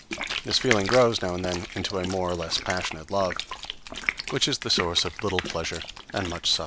This feeling grows, now and then, into a more or less passionate love, which is the source of little pleasure and much suffering.